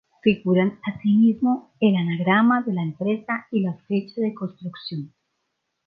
Figuran asimismo el anagrama de la empresa y la fecha de construcción.